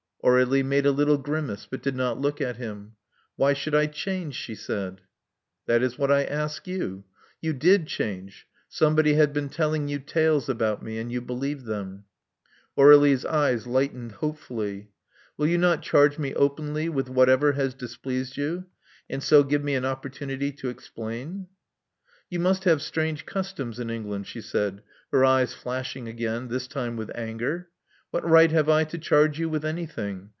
'* Aur^lie made a little grimace, but did not look at him. Why should I change?" she said. That is what I ask you. You did change — some body had been telling you tales about me; and you Love Among the Artists 203 believed them." Atir61ie's eyes lightened hopefully. Will you not charge me openly with whatever has displeased you; and so give me an opportunity to explain.'* You must have strange customs in England," she said, her eyes flashing again, this time with anger. What right have I to charge you with anything?